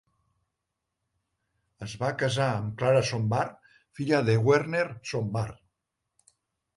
Es va casar amb Clara Sombart, filla de Werner Sombart.